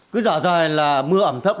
cứ rõ ràng là mưa ẩm thấp